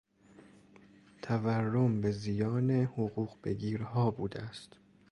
تورم به زیان حقوق بگیرها بوده است.